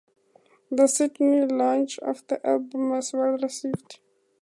The Sydney launch of the album was well received.